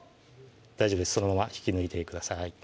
大丈夫ですそのまま引き抜いてください